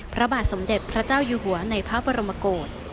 พระบาทสมเด็จพระเจ้าอยู่หัวในพระบรมกฏ